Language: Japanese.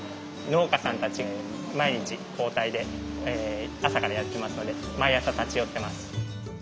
農家さんたち毎日交代で朝からやってますので毎朝立ち寄ってます。